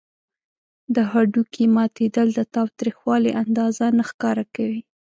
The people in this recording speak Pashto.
د هډوکي ماتیدل د تاوتریخوالي اندازه نه ښکاره کوي.